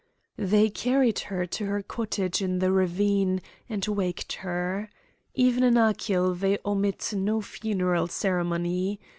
They carried her to her cottage in the ravine, and waked her. Even in Achill they omit no funeral ceremony.